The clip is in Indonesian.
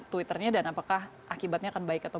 twitternya dan apakah akibatnya akan baik atau